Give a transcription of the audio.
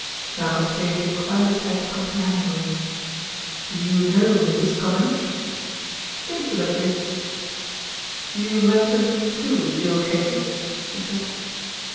Malcolm Sage inclined his head comprehendingly. "You know Mrs. Comminge?" "Intimately." "You mentioned two jewel cases," he said.